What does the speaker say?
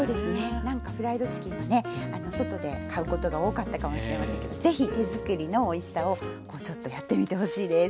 何かフライドチキンはね外で買うことが多かったかもしれませんけど是非手作りのおいしさをちょっとやってみてほしいです。